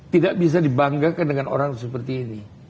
tidak bisa dibanggakan dengan orang seperti ini